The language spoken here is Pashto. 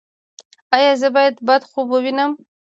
ایا زه باید بد خوب ووینم؟